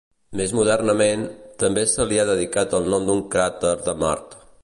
Més modernament, també se li ha dedicat el nom d'un cràter de Mart.